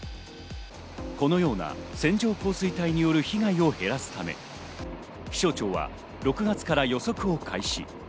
このような線状降水帯による被害を減らすため、気象庁は６月から予測を開始。